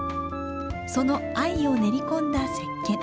その藍を練り込んだ石けん。